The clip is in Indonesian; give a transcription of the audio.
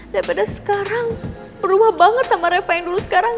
daripada sekarang rumah banget sama reva yang dulu sekarang